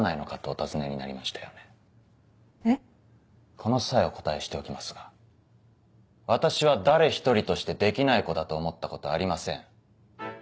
この際お答えしておきますが私は誰一人としてできない子だと思ったことはありません。